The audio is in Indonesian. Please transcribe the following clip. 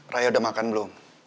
rai udah makan belum